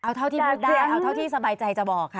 เอาเท่าที่พูดได้เอาเท่าที่สบายใจจะบอกค่ะ